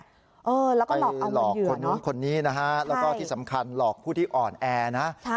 แล้วก็ไปหลอกคนนู้นคนนี้นะฮะแล้วก็ที่สำคัญหลอกผู้ที่อ่อนแอนะ